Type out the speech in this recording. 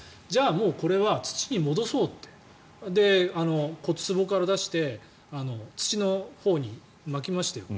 もうこれは土に戻そうって骨つぼから出して土のほうにまきましたよ。